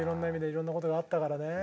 いろんな事があったからね。